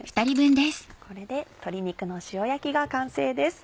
これで鶏肉の塩焼きが完成です。